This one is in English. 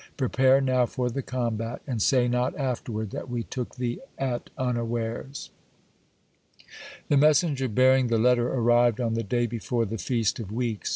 Prepare now for the combat, and say not afterward that we took thee at unawares." The messenger bearing the letter arrived on the day before the Feast of Weeks.